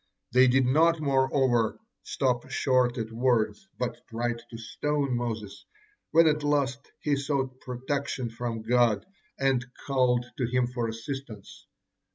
They did not, moreover, stop short at words, but tried to stone Moses, when at last he sought protection from God and called to Him for assistance.